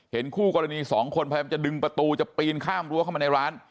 คู่กรณีสองคนพยายามจะดึงประตูจะปีนข้ามรั้วเข้ามาในร้าน